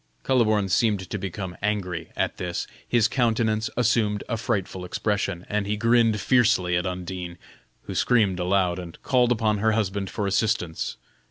Kuhleborn seemed to become angry at this; his countenance assumed a frightful expression, and he grinned fiercely at Undine, who screamed aloud and called upon her husband for assistance.